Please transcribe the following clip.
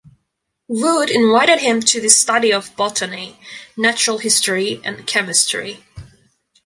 Wood invited him to the study of botany, natural history and chemistry.